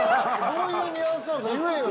どういうニュアンスなんか言えよ。